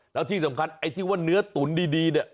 แล้วที่สำคัญไอ้ที่ว่าเนื้อตุ๋นดีเนี่ย